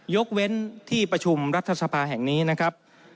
ยกเว้นที่ประชุมรัฐสภาแห่งนี้นะครับ